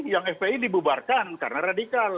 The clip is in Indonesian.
yang fpi dibubarkan karena radikal